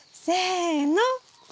せの！